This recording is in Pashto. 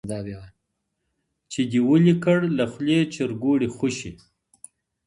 چي دي ولي کړ له خولې چرګوړی خوشي